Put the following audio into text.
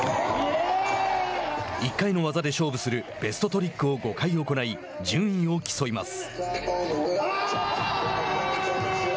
１回の技で勝負するベストトリックを５回行い順位を競います。